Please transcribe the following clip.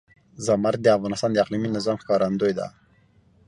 زمرد د افغانستان د اقلیمي نظام ښکارندوی ده.